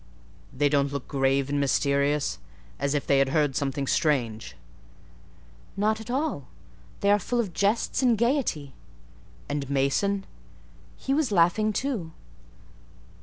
"They don't look grave and mysterious, as if they had heard something strange?" "Not at all: they are full of jests and gaiety." "And Mason?" "He was laughing too."